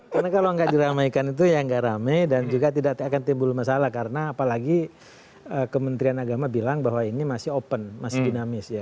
karena kalau tidak diramaikan itu ya tidak ramai dan juga tidak akan timbul masalah karena apalagi kementerian agama bilang bahwa ini masih open masih dinamis ya